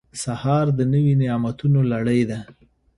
سهار د نوي نعمتونو لړۍ ده.